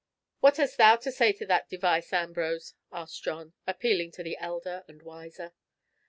"What hast thou to say to that device, Ambrose?" asked John, appealing to the elder and wiser.